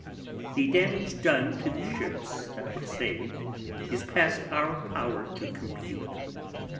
The damage done to the Ships that were sav'd, is past our Power to compute.